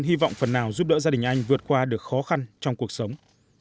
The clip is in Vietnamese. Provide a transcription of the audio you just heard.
hy vọng phần nào giúp đỡ gia đình anh vượt qua được khó khăn trong cuộc sống